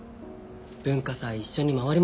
「文化祭一緒に回りませんか」